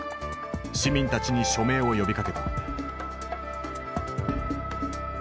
市民たちに署名を呼びかけた。